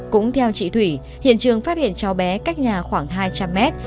cũng theo chị thủy hiện trường phát hiện cháu bé cách nhà khoảng hai trăm linh mét